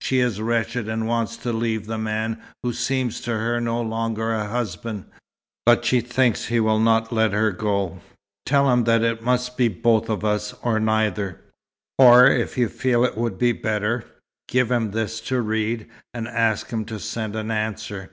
She is wretched, and wants to leave the man who seems to her no longer a husband, but she thinks he will not want to let her go. Tell him that it must be both of us, or neither. Or if you feel it would be better, give him this to read, and ask him to send an answer."